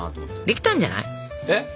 できたんじゃない？